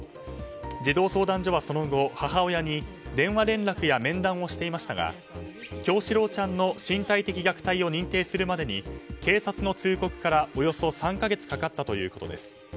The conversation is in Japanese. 児童相談所はその後、母親に電話連絡や面談をしていましたが叶志郎ちゃんの身体的虐待を認定するまでに警察の通告からおよそ３か月かかったということです。